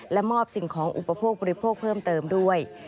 และมอบสิ่งของอุปโภคบริโภคเพิ่มเติมด้วย